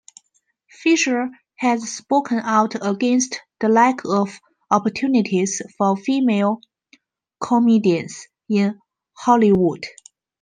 Fisher has spoken out against the lack of opportunities for female comedians in Hollywood.